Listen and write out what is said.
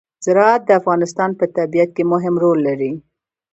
زراعت د افغانستان په طبیعت کې مهم رول لري.